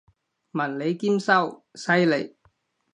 文理兼修，犀利！